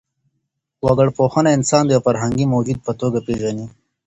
وګړپوهنه انسان د يو فرهنګي موجود په توګه پېژني.